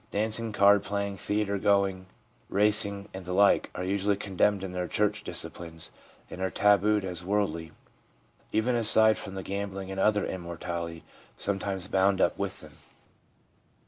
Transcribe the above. Dancing, card playing, theatre going, racing, and the like, are usually condemned in their church dis ciplines, and are tabooed as worldly, even aside from the gambling and other immorality sometimes bound up with them.